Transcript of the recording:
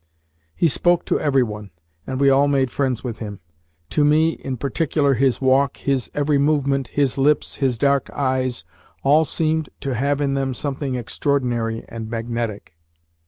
He spoke to every one, and we all made friends with him. To me in particular his walk, his every movement, his lips, his dark eyes, all seemed to have in them something extraordinary and magnetic.